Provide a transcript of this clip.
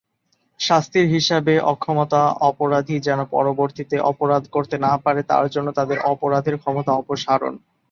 শাস্তির হিসাবে অক্ষমতা অপরাধী যেন পরবর্তীতে অপরাধ করতে না পারে তার জন্য তাদের অপরাধের ক্ষমতা অপসারণ।